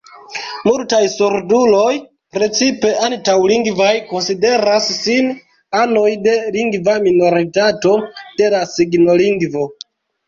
Multaj surduloj, precipe antaŭ-lingvaj, konsideras sin anoj de lingva minoritato de la signolingvo.